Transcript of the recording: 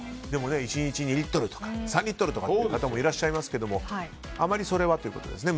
１日２リットルとか３リットル飲む方もいらっしゃいますがあまりそれは良くないということですよね。